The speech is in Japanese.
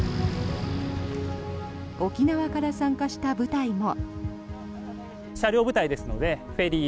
沖縄から参加した部隊も。